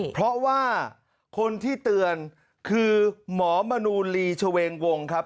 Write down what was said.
เพราะว่าคนที่เตือนคือหมอมนูลีชเวงวงครับ